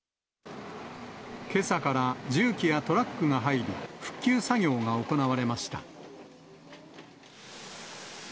けさから重機やトラックが入り、復旧作業が行われました。